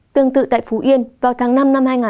tương tự tại phú yên vào tháng năm năm hai nghìn hai mươi